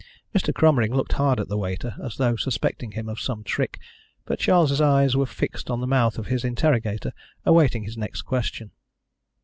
Mr. Cromering looked hard at the waiter as though suspecting him of some trick, but Charles' eyes were fixed on the mouth of his interrogator, awaiting his next question.